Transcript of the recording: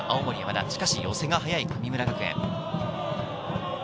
しかし寄せが速い神村学園。